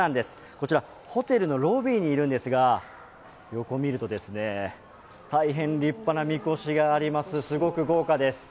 こちら、ホテルのロビーにいるんですが横を見ると、大変立派な神輿があります、すごく豪華です。